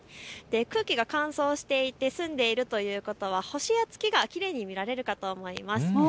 空気が乾燥していて澄んでいるということは星や月がきれいに見られるかと思います。